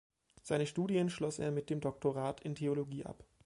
Seine Studien schloss er mit dem Doktorat in Theologie ab.